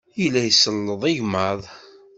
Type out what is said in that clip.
Yella iselleḍ igmaḍ.